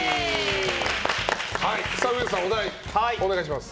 ウエンツさんお題、お願いします。